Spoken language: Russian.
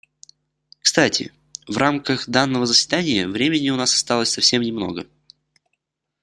Кстати, в рамках данного заседания времени у нас осталось совсем немного.